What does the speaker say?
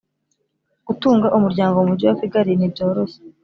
Gutunga umuryango mumugi wakigali ntibyoroshye